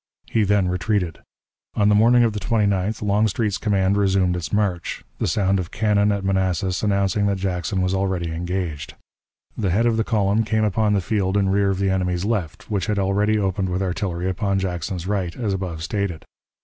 He then retreated. On the morning of the 29th Longstreet's command resumed its march, the sound of cannon at Manassas announcing that Jackson was already engaged. The head of the column came upon the field in rear of the enemy's left, which had already opened with artillery upon Jackson's right, as above stated.